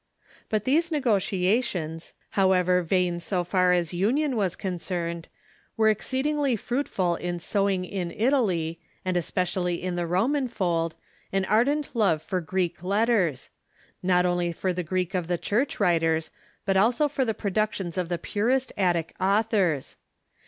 But these negotiations, however vain so far as union was con cerned, were exceedingly fruitful in sowing in Italy, and es pecially in the Roman fold, an ardent love for Greek letters — not only for the Greek of the Church writers, but also for the productions of the purest Attic authors.